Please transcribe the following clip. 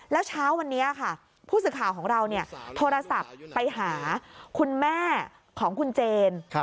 แล้วเช้าวันนี้ค่ะผู้สื่อข่าวของเราโทรศัพท์ไปหาคุณแม่ของคุณเจน